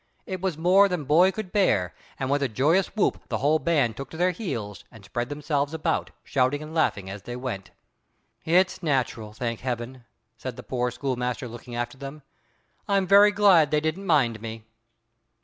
It was more than boy could bear, and with a joyous whoop the whole band took to their heels and spread themselves about, shouting and laughing as they went. "It's natural, thank Heaven!" said the poor schoolmaster, looking after them. "I'm very glad they didn't mind me."